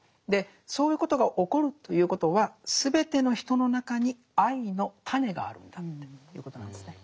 そういうことが起こるということはすべての人の中に愛の種があるんだっていうことなんですね。